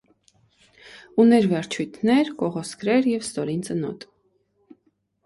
Ուներ վերջույթներ, կողոսկրեր և ստորին ծնոտ։